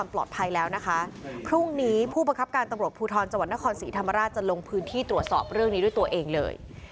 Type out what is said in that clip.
มีธรรมราชจะลงพื้นที่ตรวจสอบเรื่องนี้ด้วยตัวเองเลย